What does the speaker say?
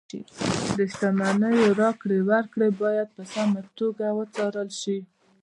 د شتمنیو راکړې ورکړې باید په سمه توګه وڅارل شي.